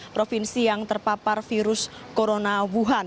provinsi yang terpapar virus corona wuhan